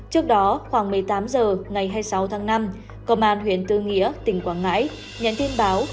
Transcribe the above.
trước đó khoảng một mươi tám h ngày hai mươi sáu tháng năm công an huyện tư nghĩa tỉnh quảng ngãi nhắn tin báo